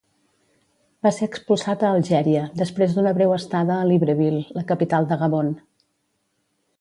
Va ser expulsat a Algèria, després d'una breu estada a Libreville, la capital de Gabon.